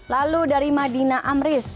lalu dari madinah amris